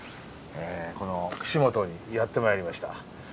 この串本にやってまいりました。